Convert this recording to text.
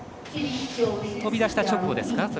飛び出した直後ですか？